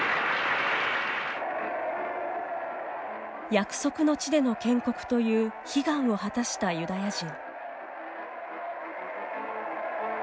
約束の地での建国という悲願を果たしたユダヤ人。